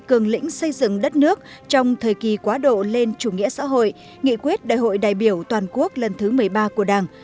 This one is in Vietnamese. cường lĩnh xây dựng đất nước trong thời kỳ quá độ lên chủ nghĩa xã hội nghị quyết đại hội đại biểu toàn quốc lần thứ một mươi ba của đảng